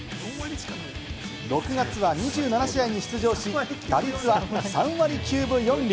６月は２７試合に出場し、打率は３割９分４厘。